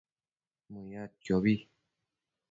Mëyadquiobi